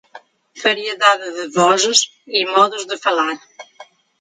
variedade de vozes e modos de falar